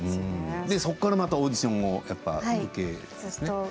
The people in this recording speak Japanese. で、そこからまたオーディションを受けるんですね。